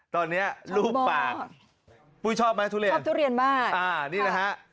ตอนนี้รูปปากปุ้ยชอบไหมทุเรียนชอบทุเรียนมากอ่านี่นะฮะ